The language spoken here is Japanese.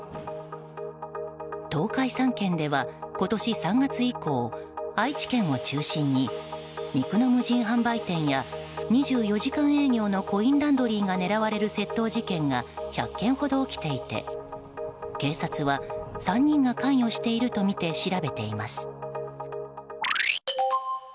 東海３県では今年３月以降愛知県を中心に肉の無人販売店や２４時間営業のコインランドリーが狙われる窃盗事件が１００件ほど起きていて警察は３人が関与しているとみて調べています。